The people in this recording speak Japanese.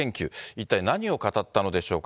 一体何を語ったのでしょうか。